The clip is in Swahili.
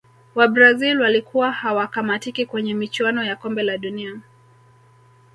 wabrazil walikuwa hawakamatiki kwenye michuano ya kombe la dunia